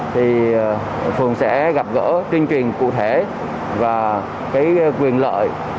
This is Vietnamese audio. thì phường sẽ gặp gỡ tuyên truyền cụ thể và cái quyền lợi